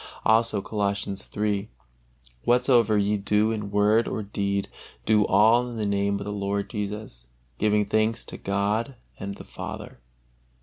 Also Colossians iii: "Whatsoever ye do in word or deed, do all in the Name of the Lord Jesus, giving thanks to God and the Father."